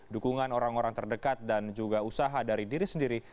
dukungan orang orang terdekat dan juga usaha dari diri sendiri